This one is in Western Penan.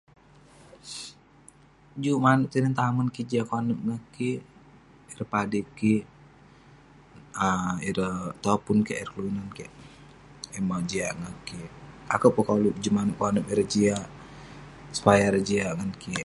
Juk manouk tinen tamen kik jiak konep ngan kik, ireh padik kik, um ireh topun kek, ireh kelunan kek yah mauk jiak ngan kik. Akouk peh koluk juk manouk konep ireh jiak supaya ireh jiak ngan kik.